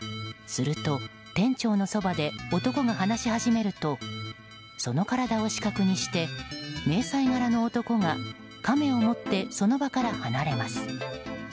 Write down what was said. すると、店長のそばで男が話し始めるとその体を死角にして迷彩柄の男がカメを持ってその場から離れます。